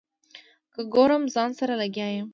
که ګورم ځان سره لګیا یم.